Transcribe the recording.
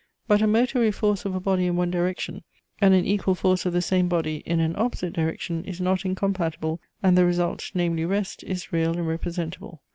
But a motory force of a body in one direction, and an equal force of the same body in an opposite direction is not incompatible, and the result, namely, rest, is real and representable.